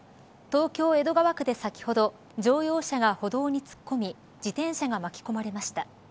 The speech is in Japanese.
東京江戸川区で先ほど乗用車が歩道に突っ込み自転車が巻き込まれました。